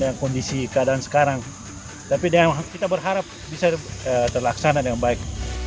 dengan kondisi keadaan sekarang tapi kita berharap bisa terlaksana dengan baik